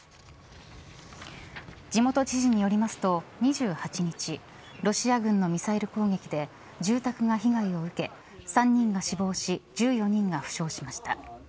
地元知事によりますと、２８日ロシア軍のミサイル攻撃で住宅が被害を受け３人が死亡し１４人が負傷しました。